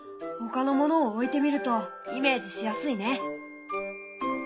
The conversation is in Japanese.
ほかのものを置いてみるとイメージしやすいね！